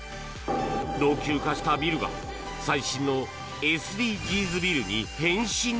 老朽化したビルが最新のＳＤＧｓビルに変身？